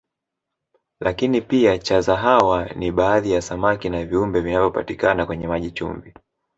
Lakini pia chaza hawa ni baadhi ya samaki na viumbe vinavyopatikana kwenye maji chumvi